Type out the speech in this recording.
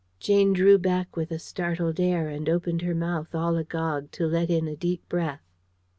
Jane drew back with a startled air, and opened her mouth, all agog, to let in a deep breath.